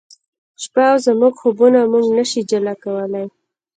شپه او زموږ خوبونه موږ نه شي جلا کولای